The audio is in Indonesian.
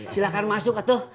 silahkan masuk eto